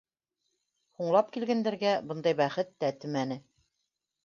Һуңлап килгәндәргә бындай бәхет тәтемәне.